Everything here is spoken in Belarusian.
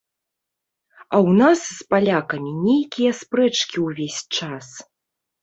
А ў нас з палякамі нейкія спрэчкі ўвесь час.